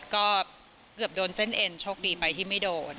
ก็เกือบโดนเส้นเอ็นโชคดีไปที่ไม่โดน